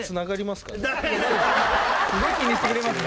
すごい気にしてくれますね